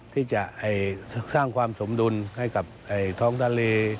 ที่จะสร้างความสมดุลให้กับท้องทะเล